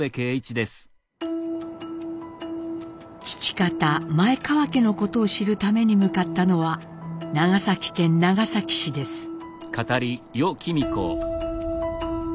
父方前川家のことを知るために向かったのは長崎県長崎市です。